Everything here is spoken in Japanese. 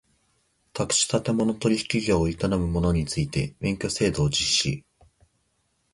宅地建物取引業を営む者について免許制度を実施